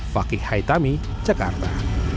fakih haitami jakarta